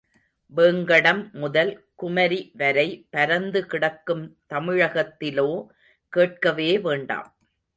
வேங்கடம் முதல் குமரி வரை பரந்து கிடக்கும் தமிழகத்திலோ கேட்கவே வேண்டாம்.